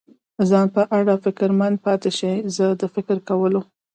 ځان په اړه فکرمند پاتې شي، زه د فکر کولو.